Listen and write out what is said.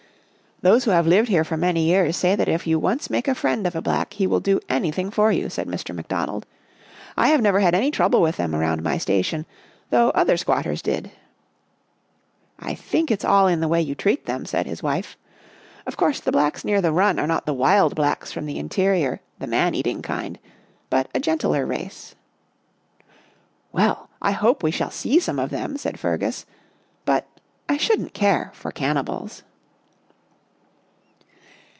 " Those who have lived here for many years say that if you once make a friend of a Black he will do anything for you," said Mr. McDonald. " I never had any trouble with them around my station, though other squatters did." " I think it's all in the way you treat them," A Drive 31 said his wife. " Of course the Blacks near the ' run ' are not the wild Blacks from the interior, the man eating kind, but a gentler race." " Well, I hope we shall see some of them," said Fergus.